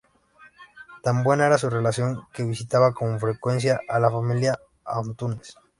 Tan buena era su relación que visitaba con frecuencia a la familia Antunes.